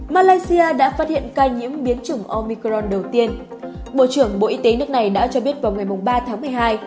malaysia đã phát hiện ca nhiễm biến chủng omicron đầu tiên bộ trưởng bộ y tế nước này đã cho biết vào ngày ba tháng một mươi hai